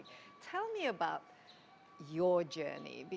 beritahu saya tentang perjalanan anda